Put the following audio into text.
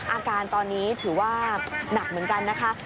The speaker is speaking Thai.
อาการตอนนี้ถือว่าหนักเหมือนกันนะคะ